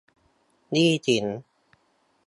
หนี้สิน